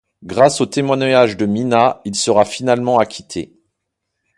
Grâce au témoignage de Minna, il sera finalement acquitté.